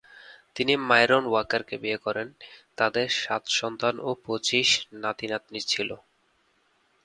তিনি মাইরন ওয়াকারকে বিয়ে করেন। তাদের সাত সন্তান ও পঁচিশ নাতি-নাতনি ছিল।